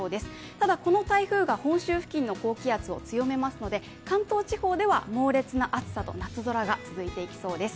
ただ、この台風が本州付近の高気圧を強めますので、関東地方では猛烈な暑さと夏空が続いていきそうです。